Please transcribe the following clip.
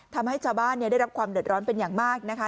ทำให้ชาวบ้านได้รับความเดือดร้อนเป็นอย่างมากนะคะ